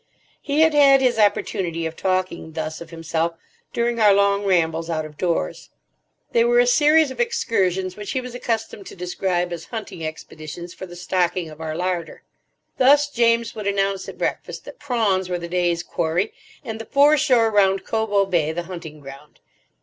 He had had his opportunity of talking thus of himself during our long rambles out of doors. They were a series of excursions which he was accustomed to describe as hunting expeditions for the stocking of our larder. Thus James would announce at breakfast that prawns were the day's quarry, and the foreshore round Cobo Bay the hunting ground.